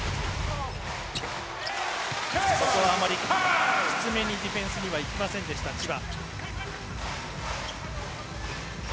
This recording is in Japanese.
ここはあまり、きつめにディフェンスにはいかなかった千葉。